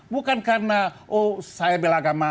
bukan karena oh saya belakang mah